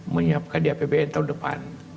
menyiapkan di apbn tahun depan